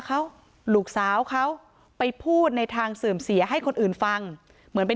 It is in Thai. เขาลูกสาวเขาไปพูดในทางเสื่อมเสียให้คนอื่นฟังเหมือนเป็น